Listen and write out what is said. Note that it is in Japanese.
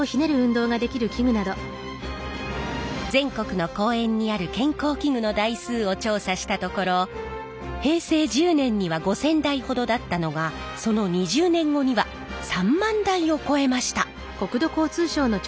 全国の公園にある健康器具の台数を調査したところ平成１０年には５，０００台ほどだったのがその２０年後には３万台を超えました！